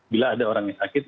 bila ada orang yang sakit